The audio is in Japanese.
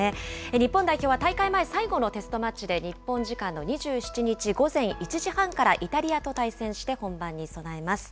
日本代表は大会前、最後のテストマッチで日本時間の２７日午前１時半からイタリアと対戦して、本番に備えます。